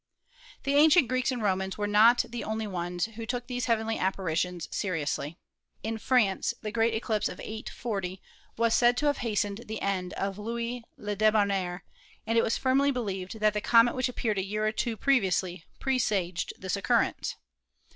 The ancient Greeks and Romans were not the only ones who took these heavenly apparitions seriously. In France the great eclipse of 840 was said to have hastened the end of Louis le Debonaire, and it was firmly believed that the comet which appeared a year or two previously presaged this occurrence.